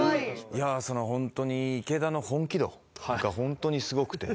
いやそのホントに池田の本気度がホントにすごくて。